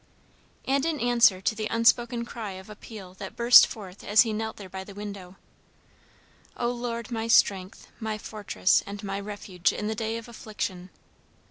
And in answer to the unspoken cry of appeal that burst forth as he knelt there by the window "O Lord, my strength, my fortress, and my refuge in the day of affliction!"